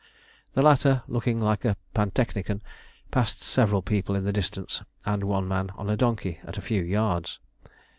The latter, looking like a pantechnicon, passed several people in the distance and one man on a donkey at a few yards.